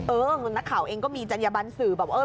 เออนักข่าวเองก็มีจัญญบันสื่อแบบเออ